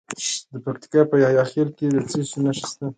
د پکتیکا په یحیی خیل کې د څه شي نښې دي؟